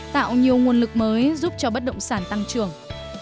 tạo nhiều nguồn lực mới giúp cho bất động sản tăng trưởng